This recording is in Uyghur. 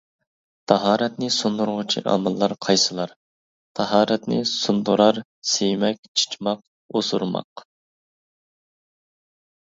تاھارەتنى سۇندۇرغۇچى ئامىللار قايسىلار؟ تاھارەتنى سۇندۇرار، سىيمەك، چىچماق، ئوسۇرماق.